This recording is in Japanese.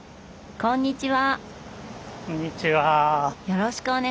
こんにちは。